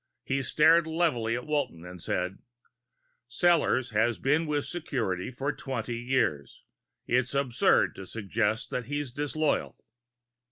He stared levelly at Walton and said, "Sellors has been with security for twenty years. It's absurd to suggest that he's disloyal."